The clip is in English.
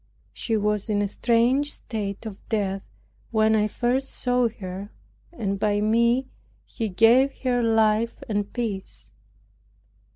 She was in a strange state of death when I first saw her, and by me He gave her life and peace.